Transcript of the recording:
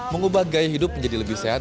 mengubah gaya hidup menjadi lebih sehat